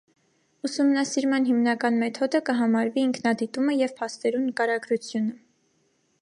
Ուսումնասիրման հիմնական մեթոտը կը համարուի ինքնադիտումը եւ փաստերու նկարագրութիւնը։